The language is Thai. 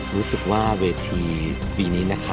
รู้สึกว่าเวทีปีนี้นะคะ